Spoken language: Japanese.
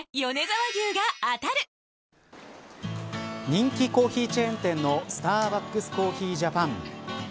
人気コーヒーチェーン店のスターバックスコーヒージャパン